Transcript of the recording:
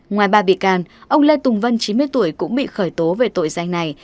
ngoài ba bị can ông lê tùng vân chín mươi tuổi cũng bị khởi tố về tội danh này